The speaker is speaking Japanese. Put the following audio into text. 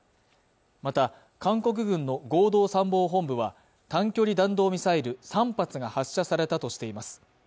また韓国軍の合同参謀本部は短距離弾道ミサイル３発が発射されたとしています